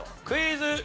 クイズ。